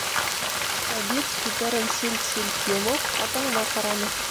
Сабит, күҙҙәрен селт-селт йомоп, атаһына ҡараны.